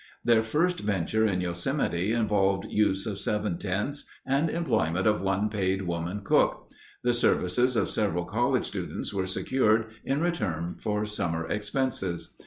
Their first venture in Yosemite involved use of seven tents and employment of one paid woman cook. The services of several college students were secured in return for summer expenses.